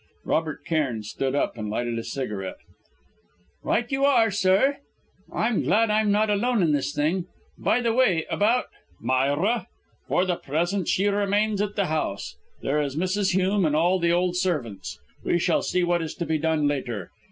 Robert Cairn stood up, and lighted a cigarette. "Right you are, sir!" he said. "I'm glad I'm not alone in this thing! By the way, about ?" "Myra? For the present she remains at the house. There is Mrs. Hume, and all the old servants. We shall see what is to be done, later.